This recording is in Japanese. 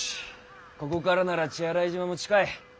ここからなら血洗島も近い。